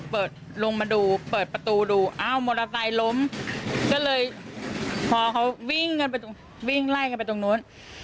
ประตูมาดูร้านตามมาวิ่งนั่นไปตรงนู้น